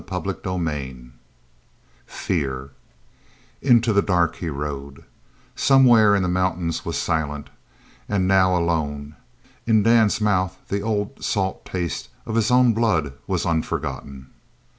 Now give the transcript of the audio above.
CHAPTER XXXVI FEAR Into the dark he rode. Somewhere in the mountains was Silent, and now alone. In Dan's mouth the old salt taste of his own blood was unforgotten.